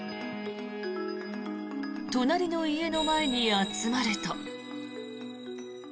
隣の家の前に集まると。